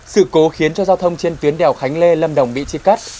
sự cố khiến cho giao thông trên tuyến đèo khánh lê lâm đồng bị chia cắt